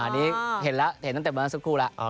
นี่เห็นแล้วทำแต่แต่เมื่อสักครู่แล้ว